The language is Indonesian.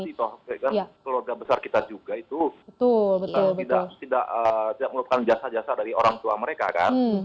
kita pasti toh ya kan keluarga besar kita juga itu tidak mengeluarkan jasa jasa dari orang tua mereka kan